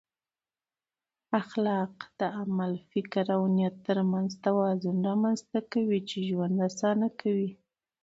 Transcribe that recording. اخلاق د عمل، فکر او نیت ترمنځ توازن رامنځته کوي چې ژوند اسانه کوي.